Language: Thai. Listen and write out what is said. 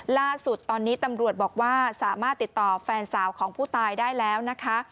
ล่าสุดตอนนี้ตำรวจบอกว่าสามารถติดต่อแฟนสาวของผู้ตายได้แล้วนะคะ